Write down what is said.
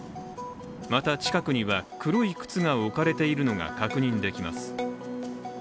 また、近くには黒い靴が置かれているのが確認できます。